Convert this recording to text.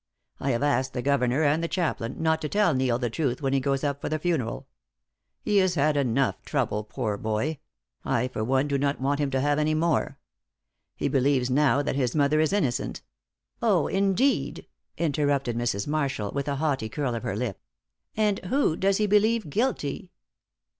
I have asked the governor and the chaplain not to tell Neil the truth when he goes up for the funeral. He has had enough trouble, poor boy; I, for one, do not want him to have any more. He believes now that his mother is innocent " "Oh, indeed!" interrupted Mrs. Marshall, with a haughty curl of her lip. "And who does he believe guilty?"